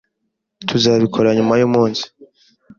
Tuzabikora nyuma yumunsi.